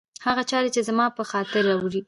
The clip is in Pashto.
هغه چاري چي زما پر خاطر اوري